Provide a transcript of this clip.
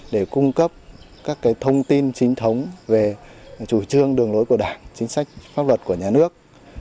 để cung cấp các thông tin chính thống về chủ trương đường lối của đảng chính sách pháp luật của nhà nước